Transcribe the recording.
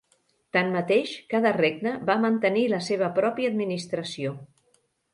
Tanmateix, cada regne va mantenir la seva pròpia administració.